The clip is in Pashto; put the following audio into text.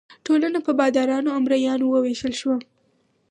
ټولنه په بادارانو او مرئیانو وویشل شوه.